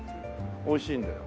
おいしいんだよ。